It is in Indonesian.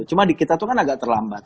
cuma di kita tuh kan agak terlambat